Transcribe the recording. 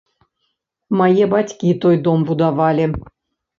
Мае бацькі той дом будавалі.